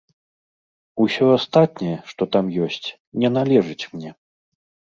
Усё астатняе, што там ёсць, не належыць мне.